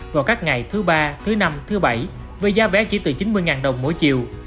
vào các ngày thứ ba thứ năm thứ bảy với giá vé chỉ từ chín mươi đồng mỗi chiều